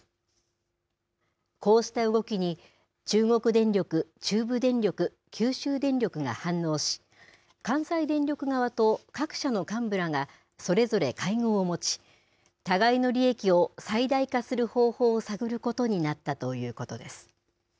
こうした動きに中国電力、中部電力九州電力が反応し関西電力側と各社の幹部らがそれぞれ会合を持ち互いの利益を最大化する方法を探ることになったということです。